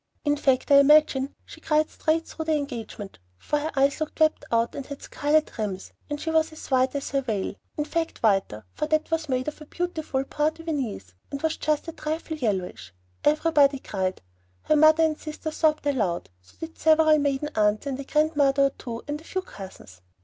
In fact, I imagine she cried straight through the engagement, for her eyes looked wept out and had scarlet rims, and she was as white as her veil. In fact, whiter, for that was made of beautiful point de Venise, and was just a trifle yellowish. Everybody cried. Her mother and sister sobbed aloud, so did several maiden aunts and a grandmother or two and a few cousins.